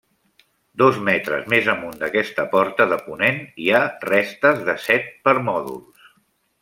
Dos metres més amunt d'aquesta porta de ponent hi ha restes de set permòdols.